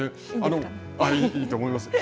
いいと思います。